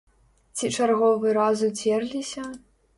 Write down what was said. Ці чарговы раз уцерліся?